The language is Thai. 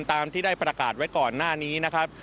ตามที่ได้ประกาศไว้ก่อนหน้านี้นะครับ